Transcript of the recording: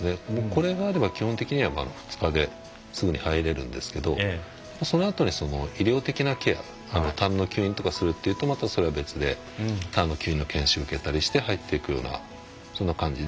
これがあれば基本的には丸２日ですぐに入れるんですけどそのあとに医療的なケアたんの吸引とかをするってなるとまた、それは別で吸引の研修を受けたりして入っていくような、そんな感じ。